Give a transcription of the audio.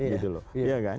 gitu loh iya kan